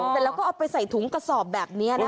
แต่เราก็เอาไปใส่ถุงกระสอบแบบนี้นะคะ